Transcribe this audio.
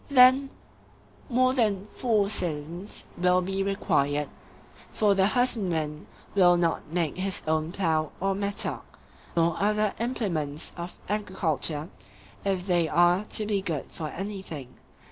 Then more than four citizens will be required; for the husbandman will not make his own plough or mattock, or other implements of agriculture, if they are to be good for anything.